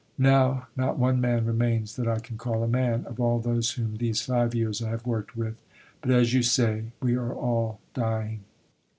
Now, not one man remains (that I can call a man) of all those whom these five years I have worked with. But, as you say, "we are all dying."